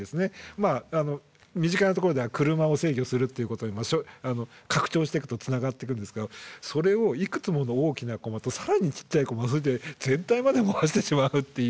まあ身近なところでは車を制御するっていうことに拡張してくとつながってくるんですけどそれをいくつもの大きなコマと更にちっちゃいコマそれで全体まで回してしまうっていう。